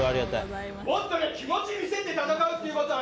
もっと気持ち見せて、戦うっていうことを。